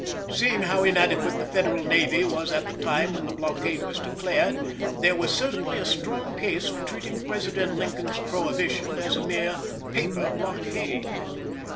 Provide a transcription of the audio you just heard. Seeing how inadequate the Federal navy was at the time when the blockade was declared, there was certainly a strong case for treating President Lincoln's prohibition as a mere "paper" blockade.